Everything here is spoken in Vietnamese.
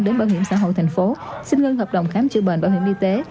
đến bảo hiểm xã hội tp hcm xin ngưng hợp đồng khám chữa bệnh bảo hiểm y tế